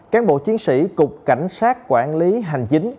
cán bộ chiến sĩ cục cảnh sát quản lý hành chính